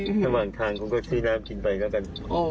ระหว่างทางคุณก็ซื้อน้ำกินไปแล้วกัน